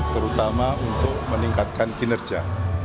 terutama untuk meningkatkan kinerja